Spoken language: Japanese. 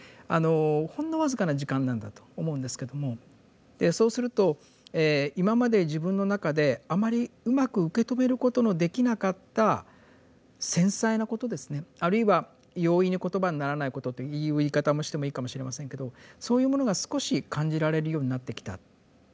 あのほんの僅かな時間なんだと思うんですけどもそうすると今まで自分の中であまりうまく受け止めることのできなかった繊細なことですねあるいは容易に言葉にならないことという言い方をしてもいいかもしれませんけどそういうものが少し感じられるようになってきた。